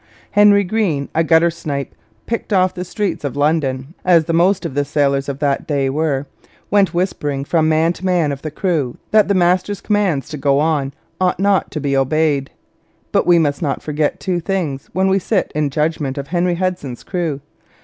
Henry Greene, a gutter snipe picked off the streets of London, as the most of the sailors of that day were, went whispering from man to man of the crew that the master's commands to go on ought not to be obeyed. But we must not forget two things when we sit in judgment on Henry Hudson's crew.